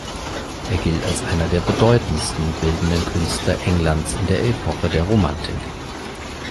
Er gilt als der bedeutendste bildende Künstler Englands in der Epoche der Romantik.